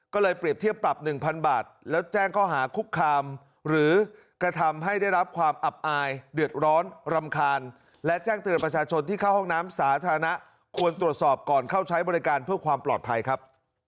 ก็เลยเปรียบเทียบปรับ๑๐๐บาทแล้วแจ้งข้อหาคุกคามหรือกระทำให้ได้รับความอับอายเดือดร้อนรำคาญและแจ้งเตือนประชาชนที่เข้าห้องน้ำสาธารณะควรตรวจสอบก่อนเข้าใช้บริการเพื่อความปลอดภัยครับ